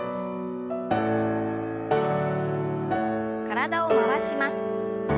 体を回します。